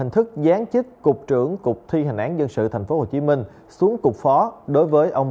thức gián chích cục trưởng cục thi hành án dân sự thành phố hồ chí minh xuống cục phó đối với ông